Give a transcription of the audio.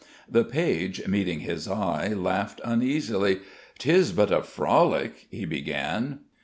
The page, meeting his eye, laughed uneasily. "'Tis but a frolic " he began.